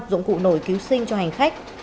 dụng cụ nổi cứu sinh cho hành khách